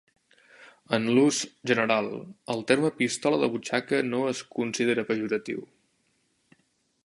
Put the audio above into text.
En l'ús general, el terme pistola de butxaca no es considera pejoratiu.